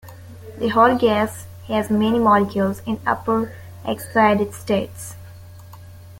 The hot gas has many molecules in the upper excited states.